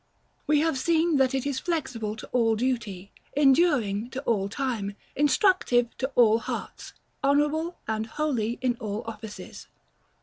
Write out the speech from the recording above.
We have seen that it is flexible to all duty, enduring to all time, instructive to all hearts, honorable and holy in all offices.